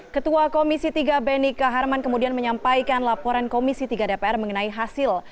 ketua komisi tiga benika harman kemudian menyampaikan laporan komisi tiga dpr mengenai hasil